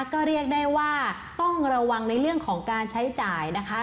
ก็เรียกได้ว่าต้องระวังในเรื่องของการใช้จ่ายนะคะ